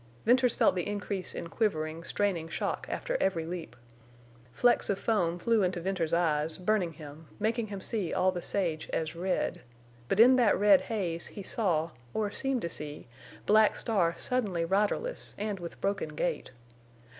Venters felt the increase in quivering, straining shock after every leap. Flecks of foam flew into Venters's eyes, burning him, making him see all the sage as red. But in that red haze he saw, or seemed to see, Black Star suddenly riderless and with broken gait.